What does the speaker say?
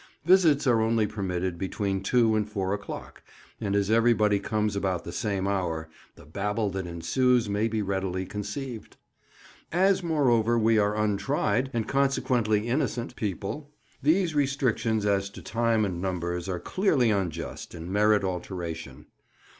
Visits are only permitted between two and four o'clock, and as everybody comes about the same hour, the babel that ensues may be readily conceived. As, moreover, we are untried, and consequently innocent, people, these restrictions as to time and numbers are clearly unjust, and merit alteration.